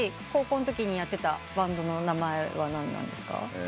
高校のときにやってたバンドの名前は何なんですか？